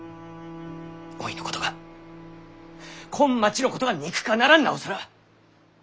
おいのことがこん町のことが憎かならなおさら。